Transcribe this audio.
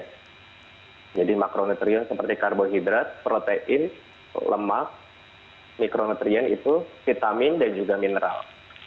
hai jadi makronutrien seperti karbohidrat protein lemak mikronutrien itu vitamin dan juga mineral